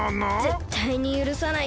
ぜったいにゆるさない。